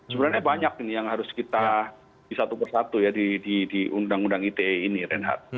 sebenarnya banyak ini yang harus kita di satu persatu ya di undang undang ite ini reinhardt